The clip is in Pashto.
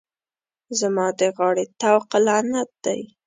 زما د غاړې طوق لعنت دی.